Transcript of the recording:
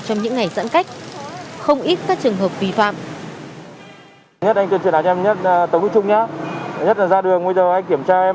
trong những ngày giãn cách không ít các trường hợp vi phạm